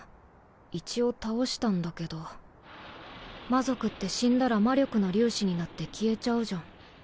一応倒したんだけど魔族って死んだら魔力の粒子になって消えちゃうじゃん。